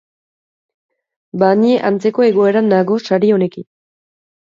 Ba, ni antzeko egoeran nago sari honekin.